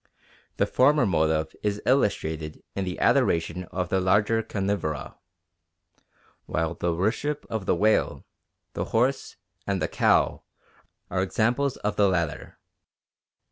The former motive is illustrated in the adoration of the larger carnivora; while the worship of the whale, the horse, and the cow are examples of the latter.